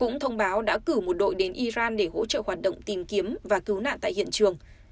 cũng thông báo đã cử một đội đến iran để hỗ trợ hoạt động tìm kiếm và cứu nạn tại hiện trường